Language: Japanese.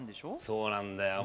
そうなんだよね。